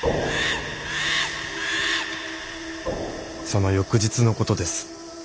その翌日のことです。